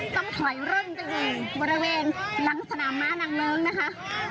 ต้องถอยร่นไปอยู่บริเวณหลังสนามม้านางเลิ้งนะคะ